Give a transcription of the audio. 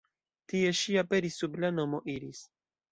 Tie ŝi aperis sub la nomo Iris.